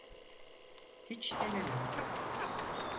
Hiç denemedim.